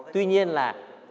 tuy nhiên là